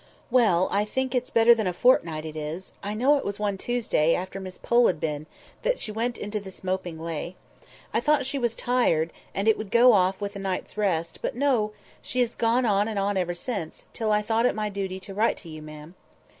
"Well! I think it's better than a fortnight; it is, I know; it was one Tuesday, after Miss Pole had been, that she went into this moping way. I thought she was tired, and it would go off with a night's rest; but no! she has gone on and on ever since, till I thought it my duty to write to you, ma'am."